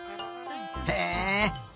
へえ。